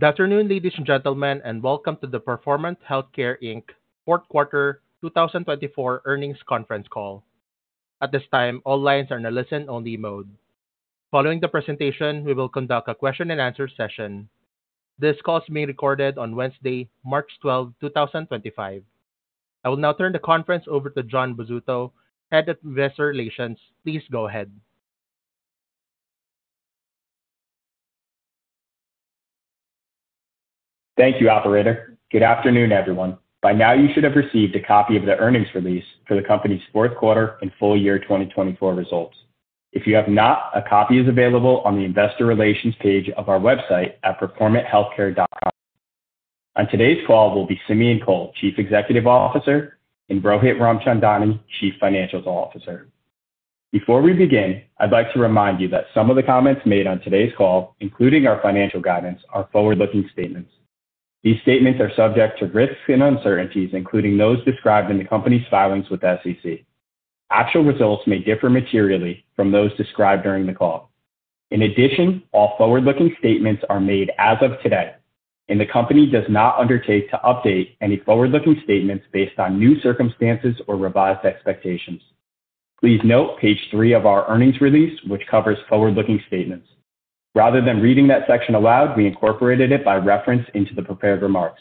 Good afternoon, ladies and gentlemen, and welcome to the Performant Healthcare Q4 2024 Earnings Conference Call. At this time, all lines are in a listen-only mode. Following the presentation, we will conduct a question-and-answer session. This call is being recorded on Wednesday, March 12, 2025. I will now turn the conference over to Jon Bozzuto, Head of Investor Relations. Please go ahead. Thank you, Operator. Good afternoon, everyone. By now, you should have received a copy of the earnings release for the company's Q4 and full year 2024 results. If you have not, a copy is available on the Investor Relations page of our website at performanthealthcare.com. On today's call will be Simeon Kohl, Chief Executive Officer, and Rohit Ramchandani, Chief Financial Officer. Before we begin, I'd like to remind you that some of the comments made on today's call, including our financial guidance, are forward-looking statements. These statements are subject to risks and uncertainties, including those described in the company's filings with the SEC. Actual results may differ materially from those described during the call. In addition, all forward-looking statements are made as of today, and the company does not undertake to update any forward-looking statements based on new circumstances or revised expectations. Please note page three of our earnings release, which covers forward-looking statements. Rather than reading that section aloud, we incorporated it by reference into the prepared remarks.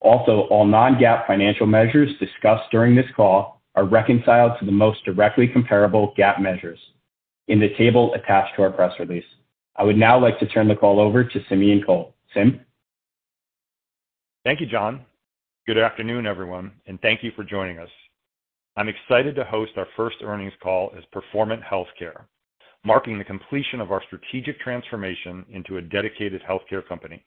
Also, all non-GAAP financial measures discussed during this call are reconciled to the most directly comparable GAAP measures in the table attached to our press release. I would now like to turn the call over to Simeon Kohl. Sim? Thank you, Jon. Good afternoon, everyone, and thank you for joining us. I'm excited to host our first earnings call as Performant Healthcare, marking the completion of our strategic transformation into a dedicated healthcare company.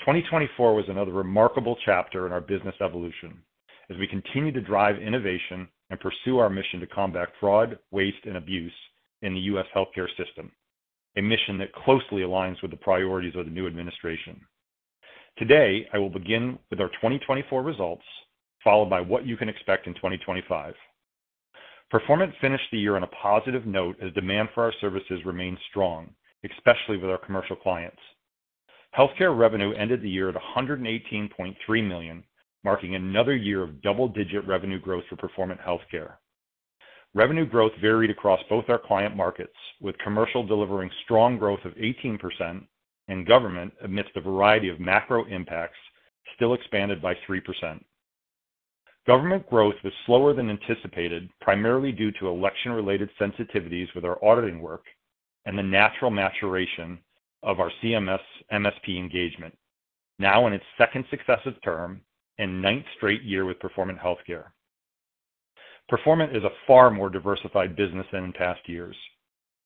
2024 was another remarkable chapter in our business evolution as we continue to drive innovation and pursue our mission to combat fraud, waste, and abuse in the U.S. healthcare system, a mission that closely aligns with the priorities of the new administration. Today, I will begin with our 2024 results, followed by what you can expect in 2025. Performant finished the year on a positive note as demand for our services remained strong, especially with our commercial clients. Healthcare revenue ended the year at $118.3 million, marking another year of double-digit revenue growth for Performant Healthcare. Revenue growth varied across both our client markets, with commercial delivering strong growth of 18%, and government amidst a variety of macro impacts still expanded by 3%. Government growth was slower than anticipated, primarily due to election-related sensitivities with our auditing work and the natural maturation of our CMS/MSP engagement, now in its second successive term and ninth straight year with Performant Healthcare. Performant is a far more diversified business than in past years.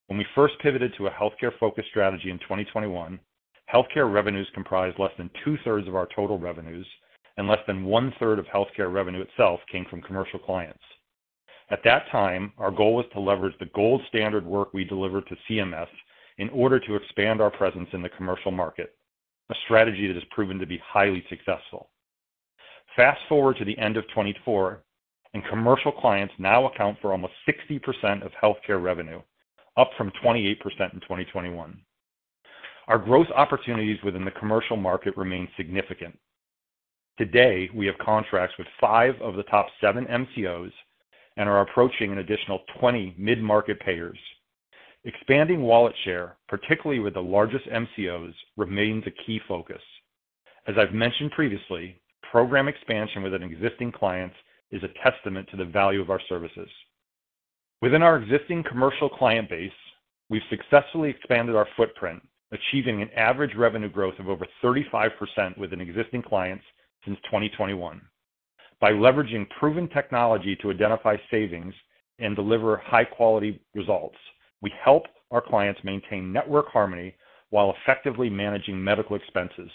When we first pivoted to a healthcare-focused strategy in 2021, healthcare revenues comprised less than two-thirds of our total revenues, and less than one-third of healthcare revenue itself came from commercial clients. At that time, our goal was to leverage the gold standard work we delivered to CMS in order to expand our presence in the commercial market, a strategy that has proven to be highly successful. Fast forward to the end of 2024, and commercial clients now account for almost 60% of healthcare revenue, up from 28% in 2021. Our growth opportunities within the commercial market remain significant. Today, we have contracts with five of the top seven MCOs and are approaching an additional 20 mid-market payers. Expanding wallet share, particularly with the largest MCOs, remains a key focus. As I've mentioned previously, program expansion within existing clients is a testament to the value of our services. Within our existing commercial client base, we've successfully expanded our footprint, achieving an average revenue growth of over 35% within existing clients since 2021. By leveraging proven technology to identify savings and deliver high-quality results, we help our clients maintain network harmony while effectively managing medical expenses.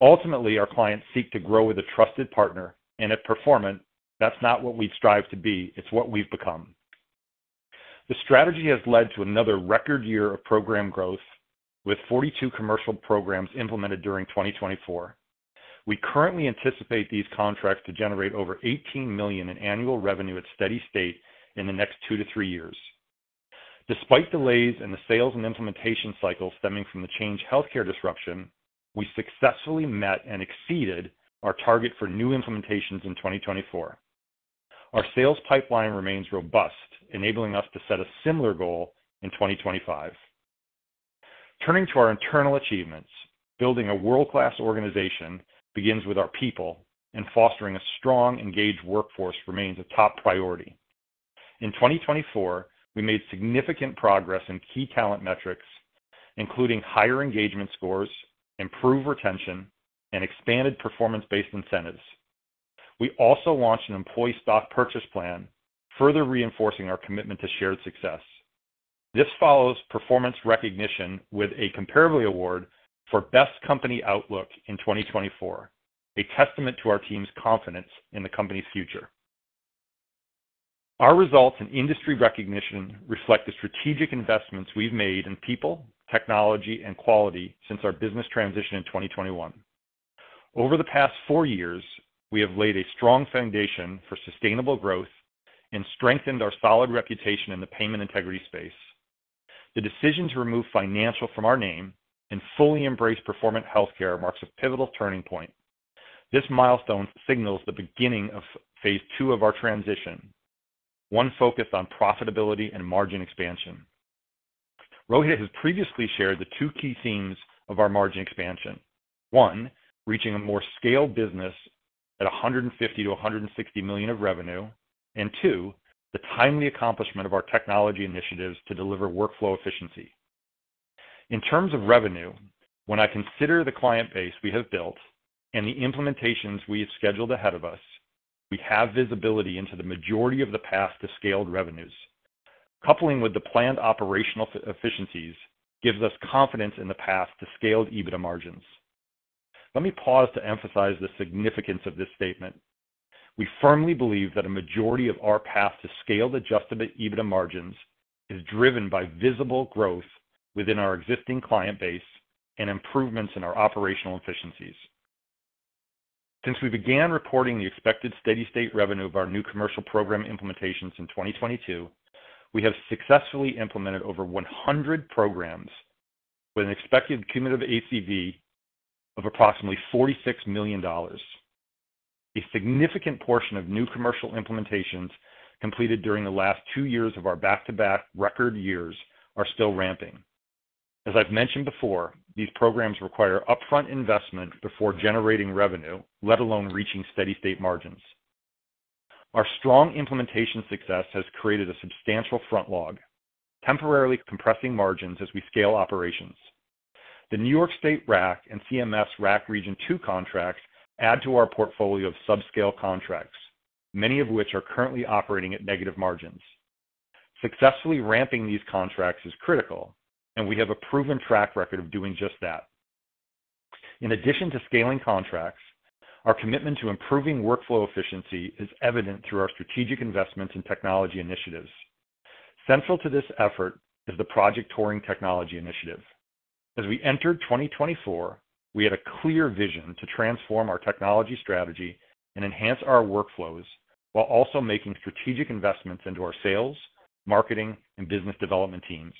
Ultimately, our clients seek to grow with a trusted partner, and at Performant, that's not what we've strived to be, it's what we've become. The strategy has led to another record year of program growth, with 42 commercial programs implemented during 2024. We currently anticipate these contracts to generate over $18 million in annual revenue at steady state in the next two to three years. Despite delays in the sales and implementation cycle stemming from the Change Healthcare disruption, we successfully met and exceeded our target for new implementations in 2024. Our sales pipeline remains robust, enabling us to set a similar goal in 2025. Turning to our internal achievements, building a world-class organization begins with our people, and fostering a strong, engaged workforce remains a top priority. In 2024, we made significant progress in key talent metrics, including higher engagement scores, improved retention, and expanded performance-based incentives. We also launched an employee stock purchase plan, further reinforcing our commitment to shared success. This follows performance recognition with a Comparably award for Best Company Outlook in 2024, a testament to our team's confidence in the company's future. Our results and industry recognition reflect the strategic investments we've made in people, technology, and quality since our business transition in 2021. Over the past four years, we have laid a strong foundation for sustainable growth and strengthened our solid reputation in the payment integrity space. The decision to remove financial from our name and fully embrace Performant Healthcare marks a pivotal turning point. This milestone signals the beginning of phase II of our transition, one focused on profitability and margin expansion. Rohit has previously shared the two key themes of our margin expansion: one, reaching a more scaled business at $150-$160 million of revenue, and two, the timely accomplishment of our technology initiatives to deliver workflow efficiency. In terms of revenue, when I consider the client base we have built and the implementations we have scheduled ahead of us, we have visibility into the majority of the path to scaled revenues. Coupling with the planned operational efficiencies gives us confidence in the path to scaled EBITDA margins. Let me pause to emphasize the significance of this statement. We firmly believe that a majority of our path to scaled adjusted EBITDA margins is driven by visible growth within our existing client base and improvements in our operational efficiencies. Since we began reporting the expected steady state revenue of our new commercial program implementations in 2022, we have successfully implemented over 100 programs with an expected cumulative ACV of approximately $46 million. A significant portion of new commercial implementations completed during the last two years of our back-to-back record years are still ramping. As I've mentioned before, these programs require upfront investment before generating revenue, let alone reaching steady state margins. Our strong implementation success has created a substantial front log, temporarily compressing margins as we scale operations. The New York State RAC and CMS RAC Region 2 contracts add to our portfolio of subscale contracts, many of which are currently operating at negative margins. Successfully ramping these contracts is critical, and we have a proven track record of doing just that. In addition to scaling contracts, our commitment to improving workflow efficiency is evident through our strategic investments and technology initiatives. Central to this effort is the Project Turing technology initiative. As we entered 2024, we had a clear vision to transform our technology strategy and enhance our workflows while also making strategic investments into our sales, marketing, and business development teams.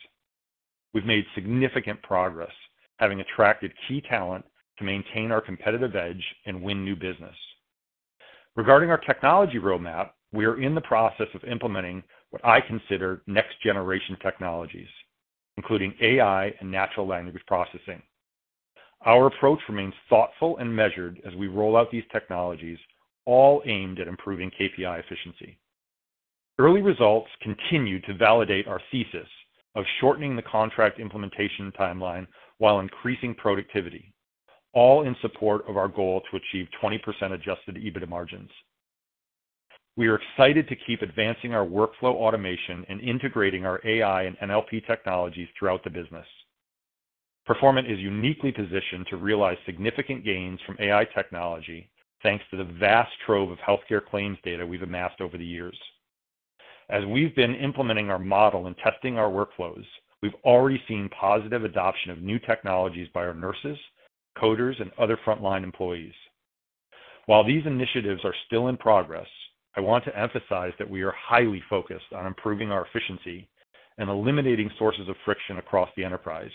We've made significant progress, having attracted key talent to maintain our competitive edge and win new business. Regarding our technology roadmap, we are in the process of implementing what I consider next-generation technologies, including AI and natural language processing. Our approach remains thoughtful and measured as we roll out these technologies, all aimed at improving KPI efficiency. Early results continue to validate our thesis of shortening the contract implementation timeline while increasing productivity, all in support of our goal to achieve 20% adjusted EBITDA margins. We are excited to keep advancing our workflow automation and integrating our AI and NLP technologies throughout the business. Performant is uniquely positioned to realize significant gains from AI technology, thanks to the vast trove of healthcare claims data we've amassed over the years. As we've been implementing our model and testing our workflows, we've already seen positive adoption of new technologies by our nurses, coders, and other frontline employees. While these initiatives are still in progress, I want to emphasize that we are highly focused on improving our efficiency and eliminating sources of friction across the enterprise,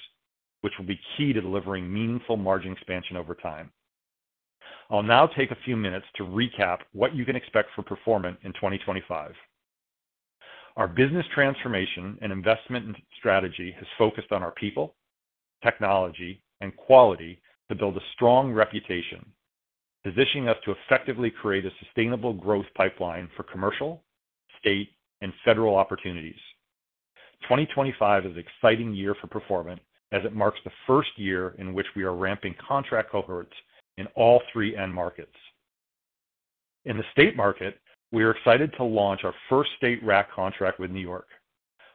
which will be key to delivering meaningful margin expansion over time. I'll now take a few minutes to recap what you can expect from Performant in 2025. Our business transformation and investment strategy has focused on our people, technology, and quality to build a strong reputation, positioning us to effectively create a sustainable growth pipeline for commercial, state, and federal opportunities. 2025 is an exciting year for Performant as it marks the first year in which we are ramping contract cohorts in all three end markets. In the state market, we are excited to launch our first state RAC contract with New York.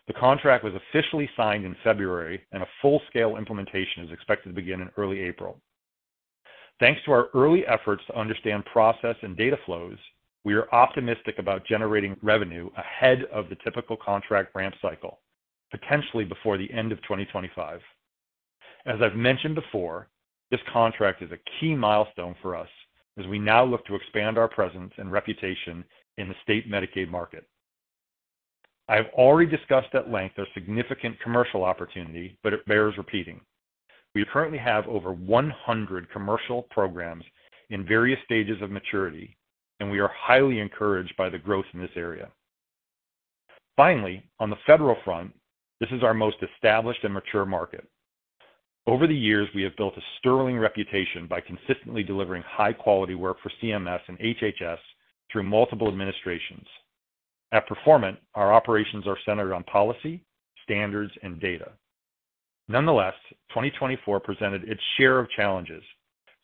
The contract was officially signed in February, and a full-scale implementation is expected to begin in early April. Thanks to our early efforts to understand process and data flows, we are optimistic about generating revenue ahead of the typical contract ramp cycle, potentially before the end of 2025. As I've mentioned before, this contract is a key milestone for us as we now look to expand our presence and reputation in the state Medicaid market. I have already discussed at length our significant commercial opportunity, but it bears repeating. We currently have over 100 commercial programs in various stages of maturity, and we are highly encouraged by the growth in this area. Finally, on the federal front, this is our most established and mature market. Over the years, we have built a sterling reputation by consistently delivering high-quality work for CMS and HHS through multiple administrations. At Performant, our operations are centered on policy, standards, and data. Nonetheless, 2024 presented its share of challenges,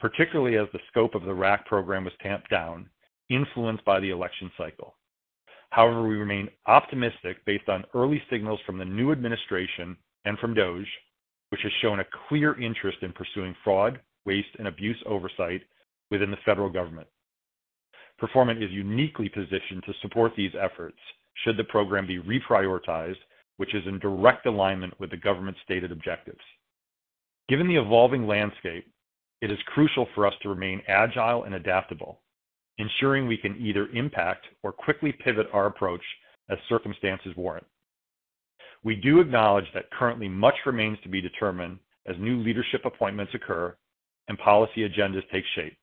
particularly as the scope of the RAC program was tamped down, influenced by the election cycle. However, we remain optimistic based on early signals from the new administration and from DOGE, which has shown a clear interest in pursuing fraud, waste, and abuse oversight within the federal government. Performant is uniquely positioned to support these efforts should the program be reprioritized, which is in direct alignment with the government's stated objectives. Given the evolving landscape, it is crucial for us to remain agile and adaptable, ensuring we can either impact or quickly pivot our approach as circumstances warrant. We do acknowledge that currently much remains to be determined as new leadership appointments occur and policy agendas take shape.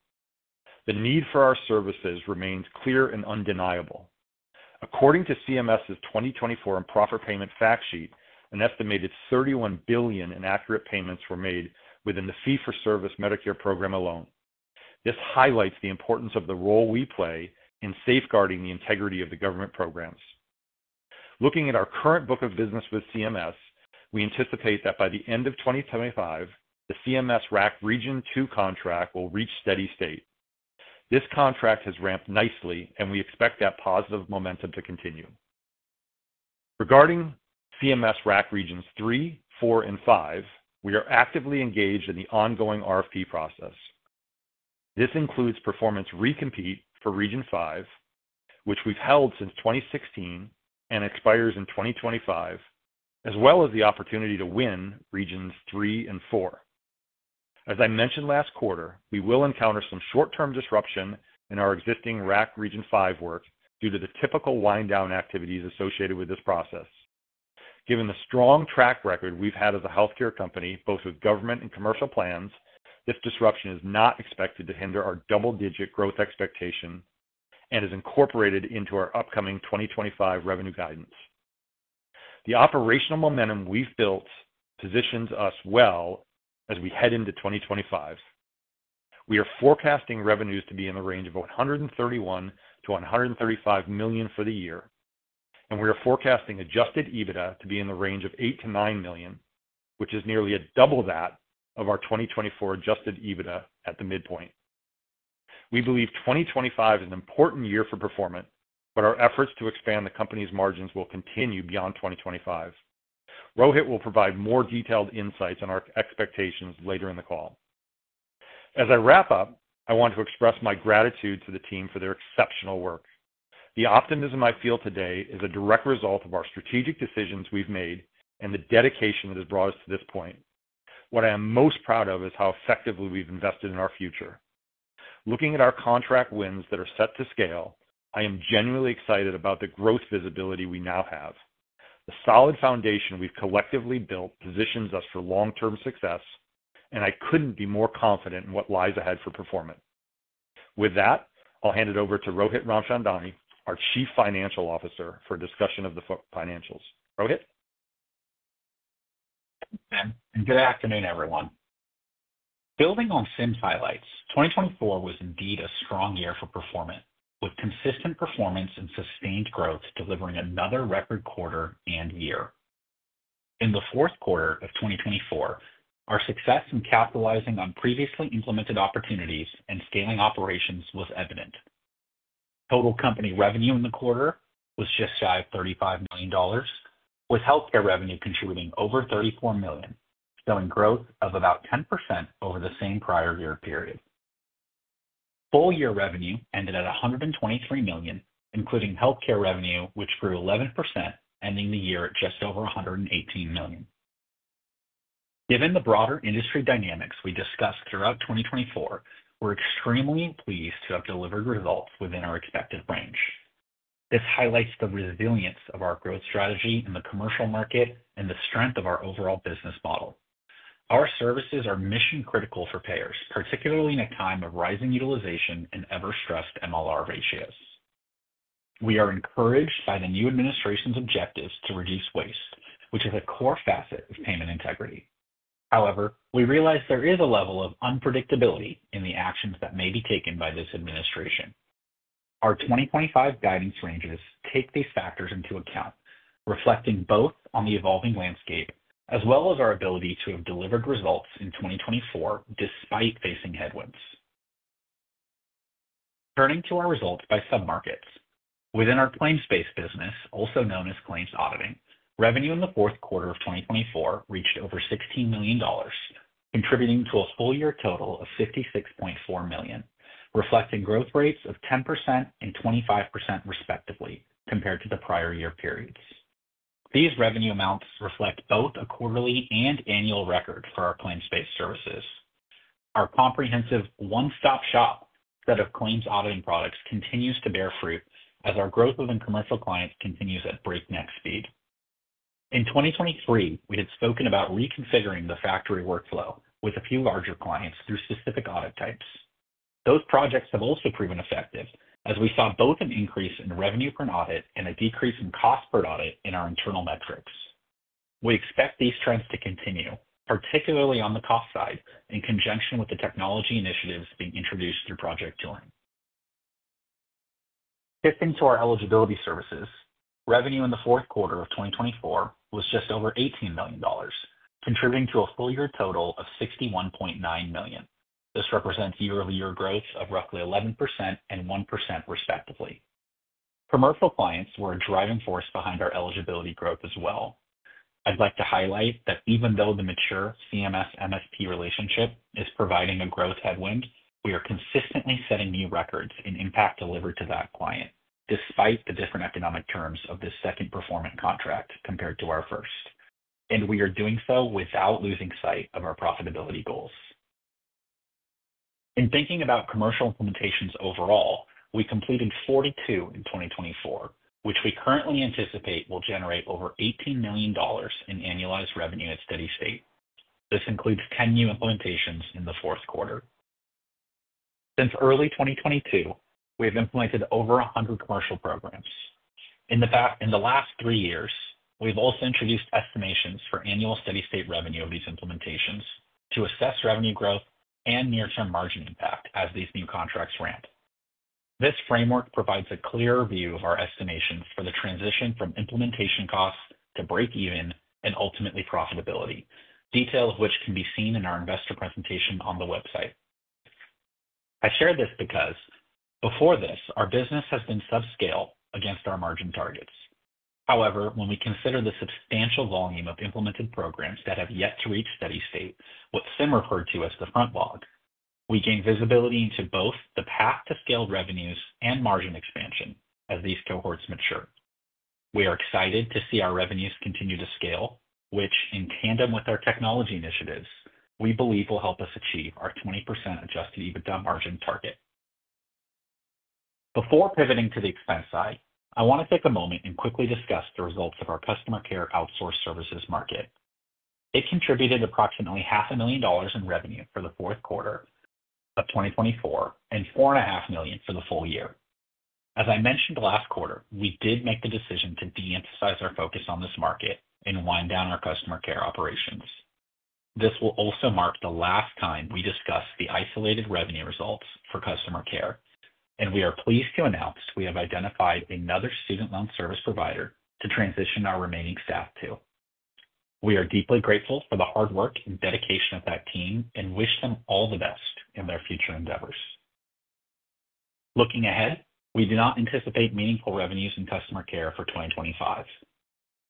The need for our services remains clear and undeniable. According to CMS's 2024 improper payment fact sheet, an estimated $31 billion in inaccurate payments were made within the Fee-for-Service Medicare program alone. This highlights the importance of the role we play in safeguarding the integrity of the government programs. Looking at our current book of business with CMS, we anticipate that by the end of 2025, the CMS RAC Region 2 contract will reach steady state. This contract has ramped nicely, and we expect that positive momentum to continue. Regarding CMS RAC Regions 3, 4, and 5, we are actively engaged in the ongoing RFP process. This includes Performant's re-compete for Region 5, which we've held since 2016 and expires in 2025, as well as the opportunity to win Regions 3 and 4. As I mentioned last quarter, we will encounter some short-term disruption in our existing RAC Region 5 work due to the typical wind-down activities associated with this process. Given the strong track record we've had as a healthcare company, both with government and commercial plans, this disruption is not expected to hinder our double-digit growth expectation and is incorporated into our upcoming 2025 revenue guidance. The operational momentum we've built positions us well as we head into 2025. We are forecasting revenues to be in the range of $131-$135 million for the year, and we are forecasting adjusted EBITDA to be in the range of $8-$9 million, which is nearly a double that of our 2024 adjusted EBITDA at the midpoint. We believe 2025 is an important year for Performant, but our efforts to expand the company's margins will continue beyond 2025. Rohit will provide more detailed insights on our expectations later in the call. As I wrap up, I want to express my gratitude to the team for their exceptional work. The optimism I feel today is a direct result of our strategic decisions we've made and the dedication that has brought us to this point. What I am most proud of is how effectively we've invested in our future. Looking at our contract wins that are set to scale, I am genuinely excited about the growth visibility we now have. The solid foundation we've collectively built positions us for long-term success, and I couldn't be more confident in what lies ahead for Performant. With that, I'll hand it over to Rohit Ramchandani, our Chief Financial Officer, for a discussion of the financials. Rohit? Thanks, Simeon. Good afternoon, everyone. Building on Simeon's highlights, 2024 was indeed a strong year for Performant, with consistent performance and sustained growth delivering another record quarter and year. In the Q4 of 2024, our success in capitalizing on previously implemented opportunities and scaling operations was evident. Total company revenue in the quarter was just shy of $35 million, with healthcare revenue contributing over $34 million, showing growth of about 10% over the same prior year period. Full-year revenue ended at $123 million, including healthcare revenue, which grew 11%, ending the year at just over $118 million. Given the broader industry dynamics we discussed throughout 2024, we're extremely pleased to have delivered results within our expected range. This highlights the resilience of our growth strategy in the commercial market and the strength of our overall business model. Our services are mission-critical for payers, particularly in a time of rising utilization and ever-stressed MLR ratios. We are encouraged by the new administration's objectives to reduce waste, which is a core facet of payment integrity. However, we realize there is a level of unpredictability in the actions that may be taken by this administration. Our 2025 guidance ranges take these factors into account, reflecting both on the evolving landscape as well as our ability to have delivered results in 2024 despite facing headwinds. Turning to our results by submarkets, within our claims-based business, also known as claims auditing, revenue in the Q4 of 2024 reached over $16 million, contributing to a full-year total of $56.4 million, reflecting growth rates of 10% and 25% respectively compared to the prior year periods. These revenue amounts reflect both a quarterly and annual record for our claims-based services. Our comprehensive one-stop-shop set of claims auditing products continues to bear fruit as our growth within commercial clients continues at breakneck speed. In 2023, we had spoken about reconfiguring the factory workflow with a few larger clients through specific audit types. Those projects have also proven effective, as we saw both an increase in revenue per audit and a decrease in cost per audit in our internal metrics. We expect these trends to continue, particularly on the cost side, in conjunction with the technology initiatives being introduced through Project Turing. Shifting to our eligibility services, revenue in the Q4 of 2024 was just over $18 million, contributing to a full-year total of $61.9 million. This represents year-over-year growth of roughly 11% and 1% respectively. Commercial clients were a driving force behind our eligibility growth as well. I'd like to highlight that even though the mature CMS-MSP relationship is providing a growth headwind, we are consistently setting new records in impact delivered to that client, despite the different economic terms of this second Performant contract compared to our first. We are doing so without losing sight of our profitability goals. In thinking about commercial implementations overall, we completed 42 in 2024, which we currently anticipate will generate over $18 million in annualized revenue at steady state. This includes 10 new implementations in the Q4. Since early 2022, we have implemented over 100 commercial programs. In the last three years, we've also introduced estimations for annual steady-state revenue of these implementations to assess revenue growth and near-term margin impact as these new contracts ramp. This framework provides a clearer view of our estimations for the transition from implementation costs to break-even and ultimately profitability, detail of which can be seen in our investor presentation on the website. I share this because, before this, our business has been subscale against our margin targets. However, when we consider the substantial volume of implemented programs that have yet to reach steady state, what Simeon referred to as the front log, we gain visibility into both the path to scaled revenues and margin expansion as these cohorts mature. We are excited to see our revenues continue to scale, which, in tandem with our technology initiatives, we believe will help us achieve our 20% adjusted EBITDA margin target. Before pivoting to the expense side, I want to take a moment and quickly discuss the results of our customer care outsource services market. It contributed approximately $500,000 in revenue for the Q4 of 2024 and $450,000 for the full year. As I mentioned last quarter, we did make the decision to de-emphasize our focus on this market and wind down our customer care operations. This will also mark the last time we discuss the isolated revenue results for customer care, and we are pleased to announce we have identified another student loan service provider to transition our remaining staff to. We are deeply grateful for the hard work and dedication of that team and wish them all the best in their future endeavors. Looking ahead, we do not anticipate meaningful revenues in customer care for 2025.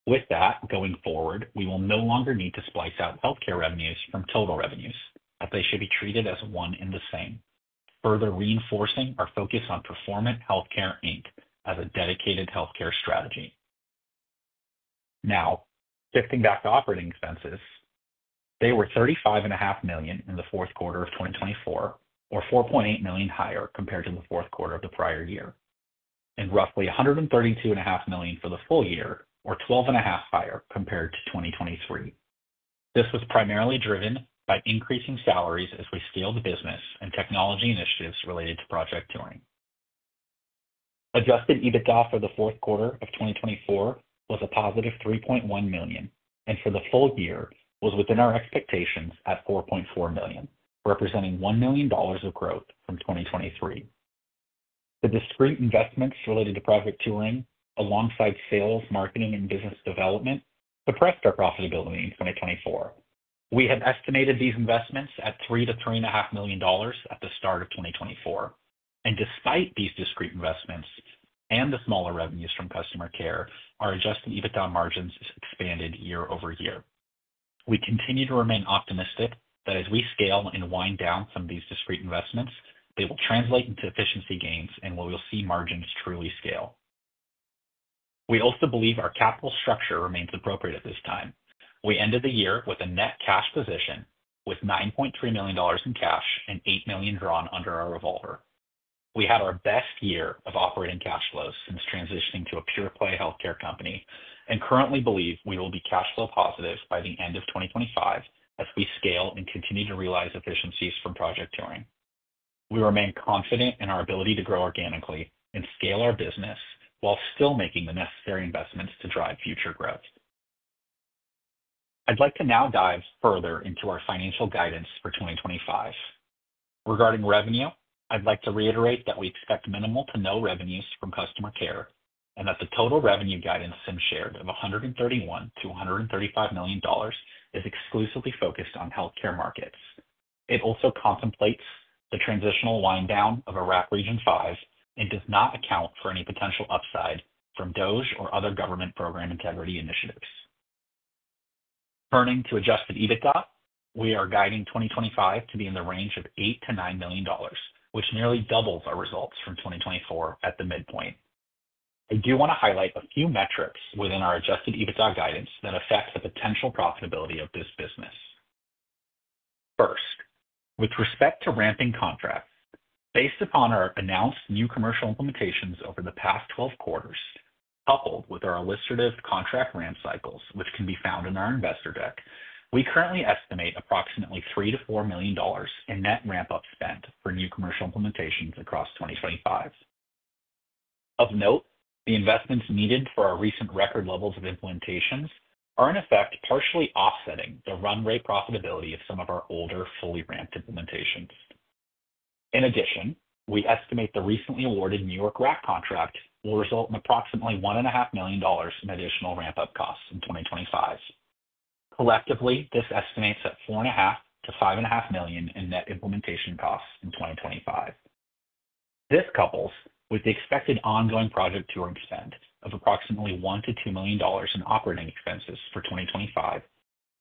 With that, going forward, we will no longer need to splice out healthcare revenues from total revenues, as they should be treated as one and the same, further reinforcing our focus on Performant Healthcare. As a dedicated healthcare strategy. Now, shifting back to operating expenses, they were $35.5 million in the Q4 of 2024, or $4.8 million higher compared to the Q4 of the prior year, and roughly $132.5 million for the full year, or $12.5 million higher compared to 2023. This was primarily driven by increasing salaries as we scaled the business and technology initiatives related to Project Turing. Adjusted EBITDA for the Q4 of 2024 was a positive $3.1 million, and for the full year, was within our expectations at $4.4 million, representing $1 million of growth from 2023. The discrete investments related to Project Turing, alongside sales, marketing, and business development, suppressed our profitability in 2024. We had estimated these investments at $3-$3.5 million at the start of 2024. Despite these discrete investments and the smaller revenues from customer care, our adjusted EBITDA margins expanded year-over-year. We continue to remain optimistic that as we scale and wind down some of these discrete investments, they will translate into efficiency gains and we will see margins truly scale. We also believe our capital structure remains appropriate at this time. We ended the year with a net cash position with $9.3 million in cash and $8 million drawn under our revolver. We had our best year of operating cash flows since transitioning to a pure-play healthcare company and currently believe we will be cash flow positive by the end of 2025 as we scale and continue to realize efficiencies from Project Turing. We remain confident in our ability to grow organically and scale our business while still making the necessary investments to drive future growth. I'd like to now dive further into our financial guidance for 2025. Regarding revenue, I'd like to reiterate that we expect minimal to no revenues from customer care and that the total revenue guidance Simeon shared of $131-$135 million is exclusively focused on healthcare markets. It also contemplates the transitional wind-down of a RAC Region 5 and does not account for any potential upside from DOGE or other government program integrity initiatives. Turning to adjusted EBITDA, we are guiding 2025 to be in the range of $8-$9 million, which nearly doubles our results from 2024 at the midpoint. I do want to highlight a few metrics within our adjusted EBITDA guidance that affect the potential profitability of this business. First, with respect to ramping contracts, based upon our announced new commercial implementations over the past 12 quarters, coupled with our illustrative contract ramp cycles, which can be found in our investor deck, we currently estimate approximately $3-$4 million in net ramp-up spend for new commercial implementations across 2025. Of note, the investments needed for our recent record levels of implementations are in effect partially offsetting the run-rate profitability of some of our older fully ramped implementations. In addition, we estimate the recently awarded New York RAC contract will result in approximately $1.5 million in additional ramp-up costs in 2025. Collectively, this estimates at $4.5-$5.5 million in net implementation costs in 2025. This couples with the expected ongoing Project Turing spend of approximately $1-$2 million in operating expenses for 2025,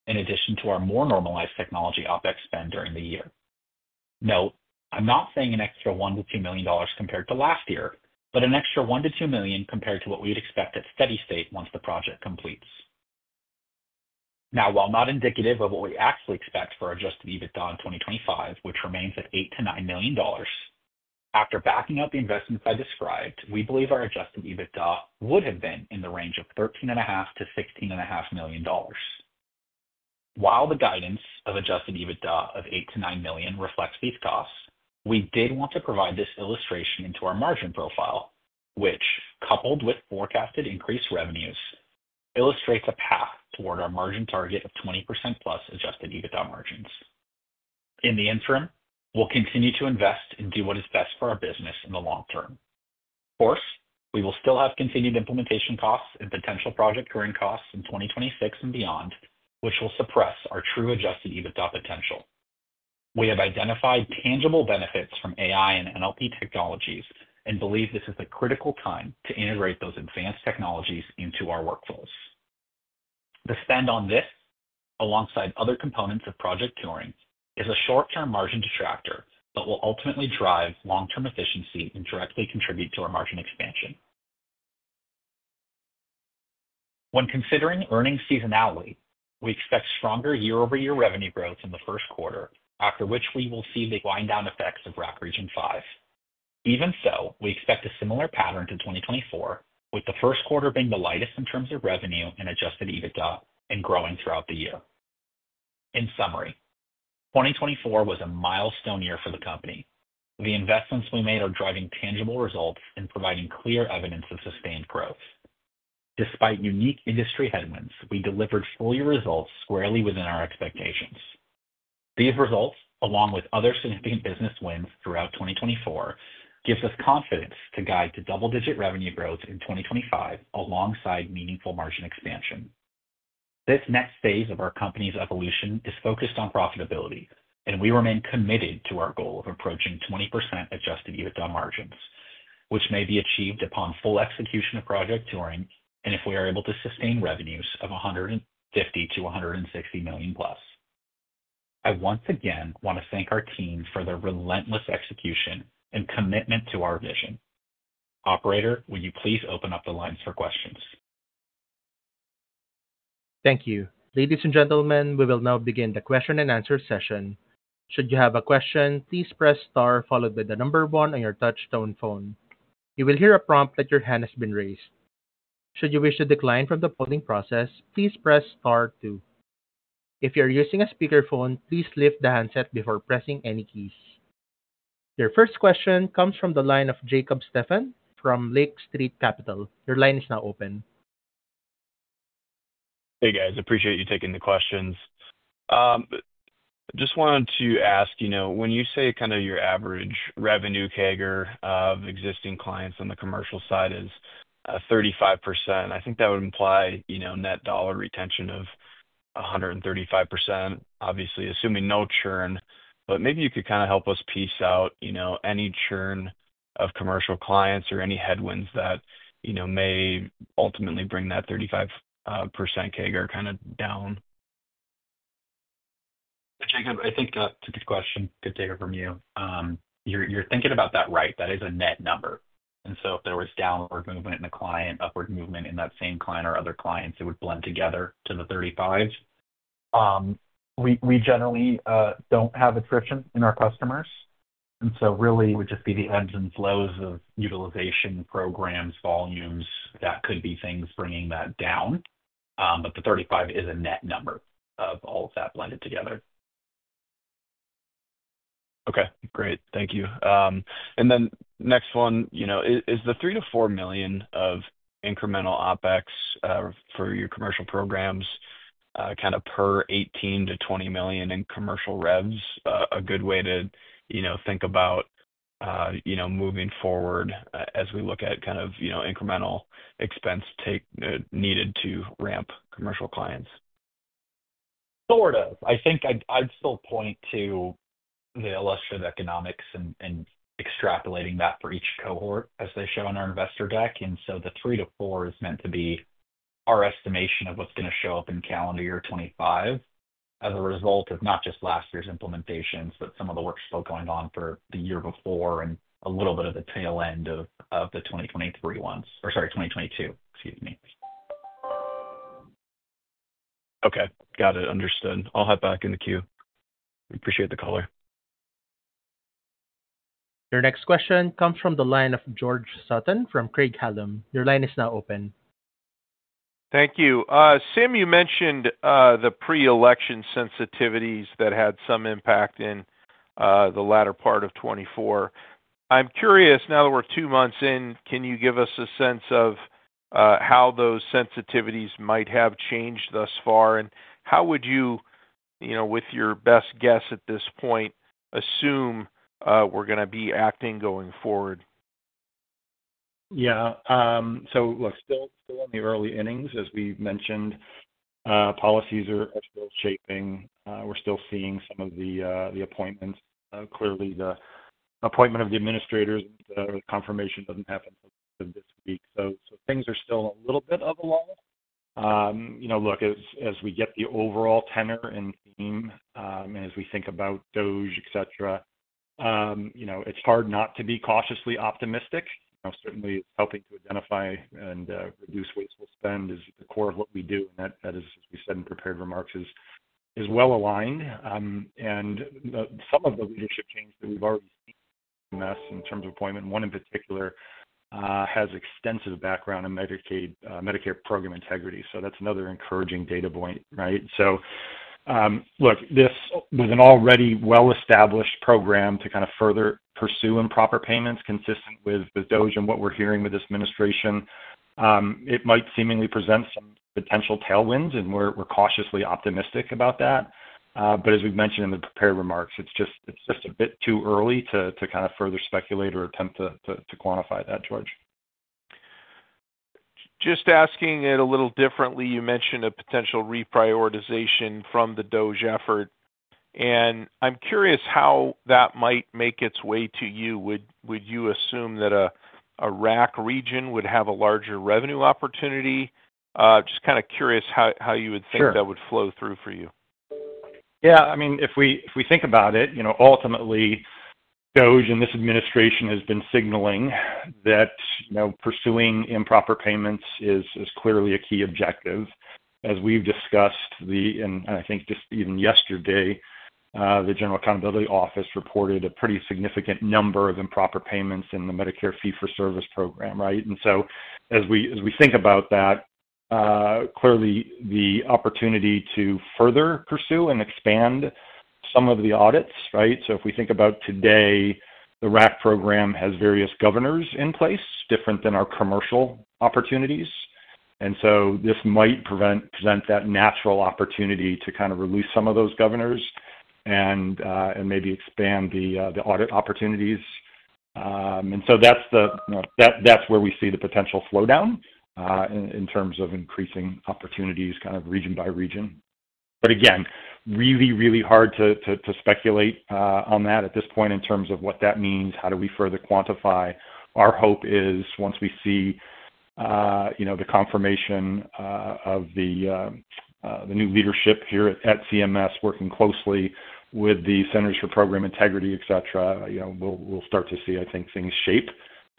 in addition to our more normalized technology OpEx spend during the year. Note, I'm not saying an extra $1-$2 million compared to last year, but an extra $1-$2 million compared to what we would expect at steady state once the project completes. Now, while not indicative of what we actually expect for our adjusted EBITDA in 2025, which remains at $8-$9 million, after backing up the investments I described, we believe our adjusted EBITDA would have been in the range of $13.5-$16.5 million. While the guidance of adjusted EBITDA of $8-$9 million reflects these costs, we did want to provide this illustration into our margin profile, which, coupled with forecasted increased revenues, illustrates a path toward our margin target of 20% plus adjusted EBITDA margins. In the interim, we'll continue to invest and do what is best for our business in the long term. Of course, we will still have continued implementation costs and potential Project Turing costs in 2026 and beyond, which will suppress our true adjusted EBITDA potential. We have identified tangible benefits from AI and NLP technologies and believe this is a critical time to integrate those advanced technologies into our workflows. The spend on this, alongside other components of Project Turing, is a short-term margin detractor but will ultimately drive long-term efficiency and directly contribute to our margin expansion. When considering earnings seasonality, we expect stronger year-over-year revenue growth in the Q1, after which we will see the wind-down effects of RAC Region 5. Even so, we expect a similar pattern to 2024, with the Q1 being the lightest in terms of revenue and adjusted EBITDA and growing throughout the year. In summary, 2024 was a milestone year for the company. The investments we made are driving tangible results and providing clear evidence of sustained growth. Despite unique industry headwinds, we delivered full-year results squarely within our expectations. These results, along with other significant business wins throughout 2024, give us confidence to guide to double-digit revenue growth in 2025 alongside meaningful margin expansion. This next phase of our company's evolution is focused on profitability, and we remain committed to our goal of approaching 20% adjusted EBITDA margins, which may be achieved upon full execution of Project Turing and if we are able to sustain revenues of $150-$160 million plus. I once again want to thank our team for their relentless execution and commitment to our vision. Operator, will you please open up the lines for questions? Thank you. Ladies and gentlemen, we will now begin the question and answer session. Should you have a question, please press star followed by the number one on your touch-tone phone. You will hear a prompt that your hand has been raised. Should you wish to decline from the polling process, please press star two. If you are using a speakerphone, please lift the handset before pressing any keys. Your first question comes from the line of Jacob Stephan from Lake Street Capital. Your line is now open. Hey, guys. Appreciate you taking the questions. Just wanted to ask, you know, when you say kind of your average revenue CAGR of existing clients on the commercial side is 35%, I think that would imply, you know, net dollar retention of 135%, obviously, assuming no churn. Maybe you could kind of help us piece out, you know, any churn of commercial clients or any headwinds that, you know, may ultimately bring that 35% CAGR kind of down. Jacob, I think that's a good question. Good pick-up from you. You're thinking about that, right? That is a net number. If there was downward movement in a client, upward movement in that same client or other clients, it would blend together to the 35%. We generally don't have attrition in our customers. Really, it would just be the ebbs and flows of utilization programs, volumes that could be things bringing that down. The 35% is a net number of all of that blended together. Okay. Great. Thank you. The next one, you know, is the $3-$4 million of incremental OpEx for your commercial programs. Is kind of per $18-$20 million in commercial revs a good way to, you know, think about, you know, moving forward as we look at kind of, you know, incremental expense needed to ramp commercial clients? Sort of. I think I'd still point to the illustrative economics and extrapolating that for each cohort as they show on our investor deck. The $3-$4 million is meant to be our estimation of what's going to show up in calendar year 2025 as a result of not just last year's implementations, but some of the work still going on for the year before and a little bit of the tail end of the 2023 ones or, sorry, 2022. Excuse me. Okay. Got it. Understood. I'll hop back in the queue. Appreciate the color. Your next question comes from the line of George Sutton from Craig-Hallum. Your line is now open. Thank you. Simeon, you mentioned the pre-election sensitivities that had some impact in the latter part of 2024. I'm curious, now that we're two months in, can you give us a sense of how those sensitivities might have changed thus far? And how would you, you know, with your best guess at this point, assume we're going to be acting going forward? Yeah. Look, still in the early innings, as we mentioned, policies are still shaping. We're still seeing some of the appointments. Clearly, the appointment of the administrators and the confirmation doesn't happen until the end of this week. Things are still a little bit of a lull. You know, look, as we get the overall tenor and theme and as we think about DOGE, et cetera, you know, it's hard not to be cautiously optimistic. Certainly, it's helping to identify and reduce wasteful spend. It's the core of what we do. That is, as we said in prepared remarks, is well aligned. Some of the leadership change that we've already seen in this in terms of appointment, one in particular, has extensive background in Medicare program integrity. That's another encouraging data point, right? Look, this was an already well-established program to kind of further pursue improper payments consistent with DOGE and what we're hearing with this administration. It might seemingly present some potential tailwinds, and we're cautiously optimistic about that. As we've mentioned in the prepared remarks, it's just a bit too early to kind of further speculate or attempt to quantify that, George. Just asking it a little differently, you mentioned a potential reprioritization from the DOGE effort. I'm curious how that might make its way to you. Would you assume that a RAC region would have a larger revenue opportunity? Just kind of curious how you would think that would flow through for you. Yeah. I mean, if we think about it, you know, ultimately, DOGE and this administration has been signaling that, you know, pursuing improper payments is clearly a key objective. As we've discussed, and I think just even yesterday, the General Accountability Office reported a pretty significant number of improper payments in the Medicare Fee-for-Service program, right? As we think about that, clearly, the opportunity to further pursue and expand some of the audits, right? If we think about today, the RAC program has various governors in place, different than our commercial opportunities. This might present that natural opportunity to kind of release some of those governors and maybe expand the audit opportunities. That is where we see the potential slowdown in terms of increasing opportunities kind of region by region. Again, really, really hard to speculate on that at this point in terms of what that means, how do we further quantify. Our hope is once we see, you know, the confirmation of the new leadership here at CMS working closely with the Center for Program Integrity, et cetera, you know, we'll start to see, I think, things shape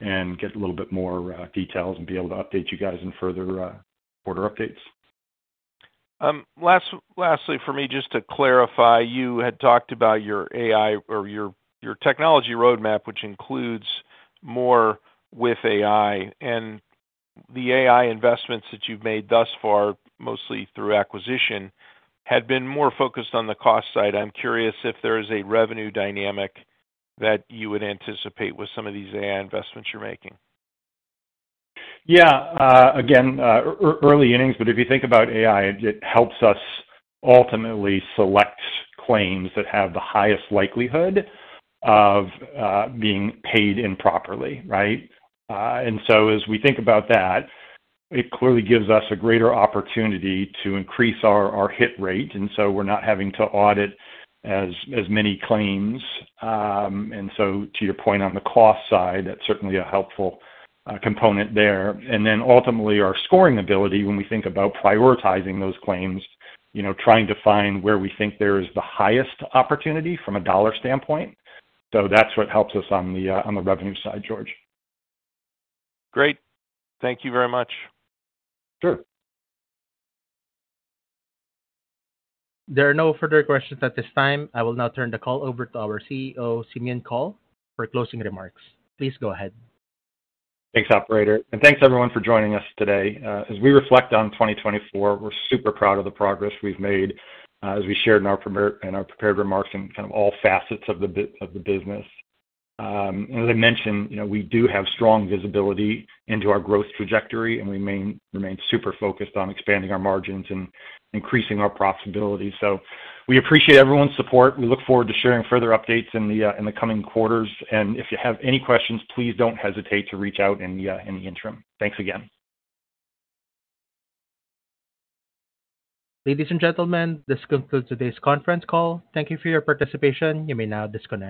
and get a little bit more details and be able to update you guys in further quarter updates. Lastly, for me, just to clarify, you had talked about your AI or your technology roadmap, which includes more with AI. And the AI investments that you've made thus far, mostly through acquisition, had been more focused on the cost side. I'm curious if there is a revenue dynamic that you would anticipate with some of these AI investments you're making. Yeah. Again, early innings, but if you think about AI, it helps us ultimately select claims that have the highest likelihood of being paid improperly, right? As we think about that, it clearly gives us a greater opportunity to increase our hit rate. We are not having to audit as many claims. To your point on the cost side, that is certainly a helpful component there. Ultimately, our scoring ability, when we think about prioritizing those claims, you know, trying to find where we think there is the highest opportunity from a dollar standpoint. That is what helps us on the revenue side, George. Great. Thank you very much. Sure. There are no further questions at this time. I will now turn the call over to our CEO, Simeon Kohl, for closing remarks. Please go ahead. Thanks, Operator. Thanks, everyone, for joining us today. As we reflect on 2024, we're super proud of the progress we've made, as we shared in our prepared remarks in kind of all facets of the business. As I mentioned, you know, we do have strong visibility into our growth trajectory, and we remain super focused on expanding our margins and increasing our profitability. We appreciate everyone's support. We look forward to sharing further updates in the coming quarters. If you have any questions, please don't hesitate to reach out in the interim. Thanks again. Ladies and gentlemen, this concludes today's conference call. Thank you for your participation. You may now disconnect.